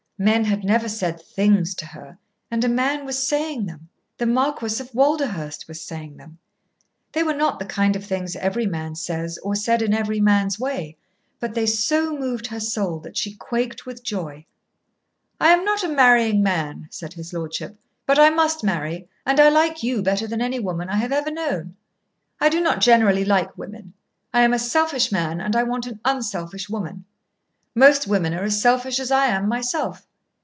Men had never said "things" to her, and a man was saying them the Marquis of Walderhurst was saying them. They were not the kind of things every man says or said in every man's way, but they so moved her soul that she quaked with joy. "I am not a marrying man," said his lordship, "but I must marry, and I like you better than any woman I have ever known. I do not generally like women. I am a selfish man, and I want an unselfish woman. Most women are as selfish as I am myself.